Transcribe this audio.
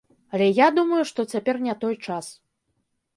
Але я думаю, што цяпер не той час.